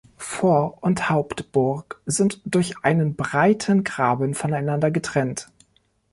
Vor- und Hauptburg sind durch einen breiten Graben voneinander getrennt.